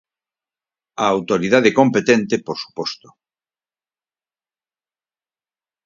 A Autoridade Competente, por suposto.